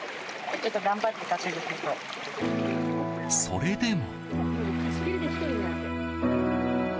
それでも。